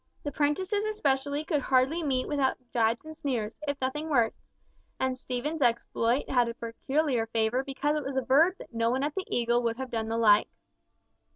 The prentices especially could hardly meet without gibes and sneers, if nothing worse, and Stephen's exploit had a peculiar flavour because it was averred that no one at the Eagle would have done the like.